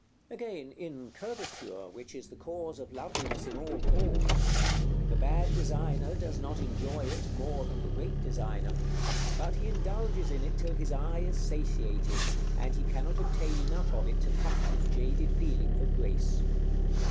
§ VIII. Again, in curvature, which is the cause of loveliness in all form; the bad designer does not enjoy it more than the great designer, but he indulges in it till his eye is satiated, and he cannot obtain enough of it to touch his jaded feeling for grace.